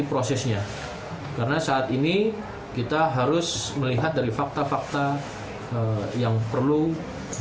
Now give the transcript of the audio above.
pemirsa pampung dan pemirsa jawa barat menjelaskan bahwa keadaan pampung dan jawa barat